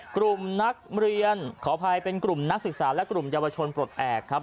กลุ่มนักเรียนขออภัยเป็นกลุ่มนักศึกษาและกลุ่มเยาวชนปลดแอบครับ